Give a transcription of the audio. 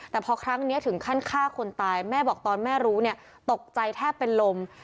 แต่พอครั้งนี้ถึงขั้นฆ่าคนตายแม่บอกตอนแม่รู้เนี่ยตกใจแทบเป็นลม